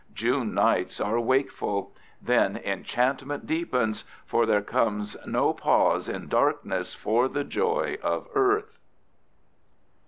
June nights are wakeful. Then enchantment deepens, for there comes no pause in darkness for the joy of earth.